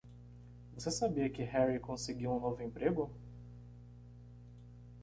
Você sabia que Harry conseguiu um novo emprego?